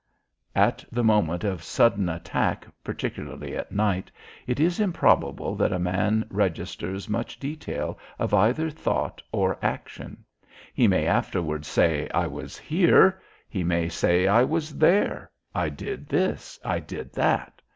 At the moment of sudden attack particularly at night, it is improbable that a man registers much detail of either thought or action. He may afterward say: "I was here." He may say: "I was there." "I did this." "I did that."